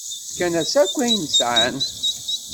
Fkan-as akk ayen sɛan.